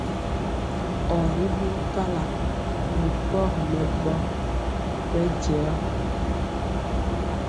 Or ri bi mpala ri pɔgi mɛbɔ bejɛɔ.